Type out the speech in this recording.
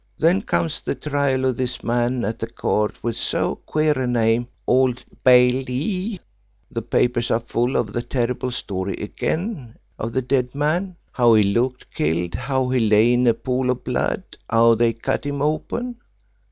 Then comes the trial of this man at the court with so queer a name Old Bailee. The papers are full of the terrible story again; of the dead man; how he looked killed; how he lay in a pool of blood; how they cut him open!